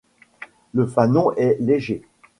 Le fanon est léger.